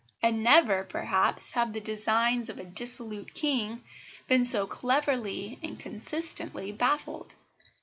And never, perhaps, have the designs of a dissolute King been so cleverly and consistently baffled.